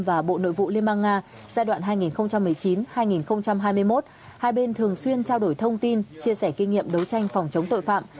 và bộ nội vụ liên bang nga giai đoạn hai nghìn một mươi chín hai nghìn hai mươi một hai bên thường xuyên trao đổi thông tin chia sẻ kinh nghiệm đấu tranh phòng chống tội phạm